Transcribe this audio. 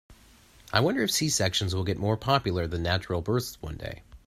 I wonder if C-sections will get more popular than natural births one day.